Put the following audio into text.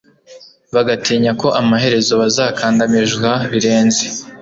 bagatinya ko amaherezo bazakandamizwa birenze